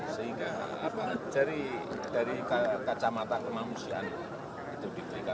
sehingga dari kacamata kemanusiaan itu diberikan